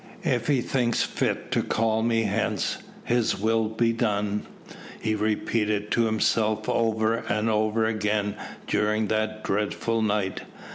"If He thinks fit to call me hence, His will be done," he repeated to himself over and over again during that dreadful night.